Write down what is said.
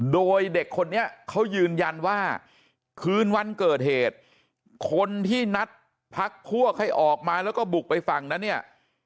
โดยเด็กคนนี้เขายืนยันว่าคืนวันเกิดเหตุคนที่นัดพักพวกให้ออกมาแล้วก็บุกไปฝั่งนั้นเนี่ย